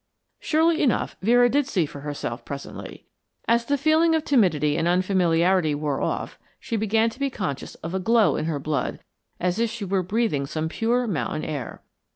Surely enough Vera did see for herself presently. As the feeling of timidity and unfamiliarity wore off she began to be conscious of a glow in her blood as if she were breathing some pure mountain air.